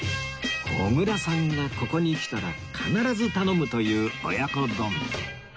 小倉さんがここに来たら必ず頼むという親子丼